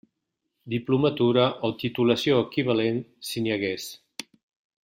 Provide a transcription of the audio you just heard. Diplomatura, o titulació equivalent si n'hi hagués.